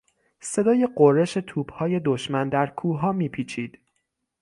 صدای غرش توپهای دشمن در کوهها میپیچید.